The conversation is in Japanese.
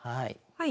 はい。